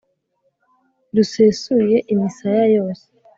rusesuye imisaya yose